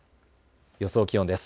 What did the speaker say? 予想気温です。